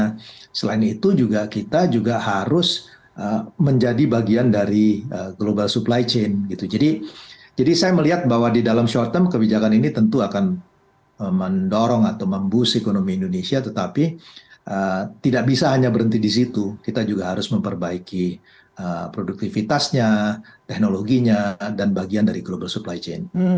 nah selain itu juga kita harus menjadi bagian dari global supply chain jadi saya melihat bahwa di dalam short term kebijakan ini tentu akan mendorong atau membus ekonomi indonesia tetapi tidak bisa hanya berhenti di situ kita juga harus memperbaiki produktivitasnya teknologinya dan bagian dari global supply chain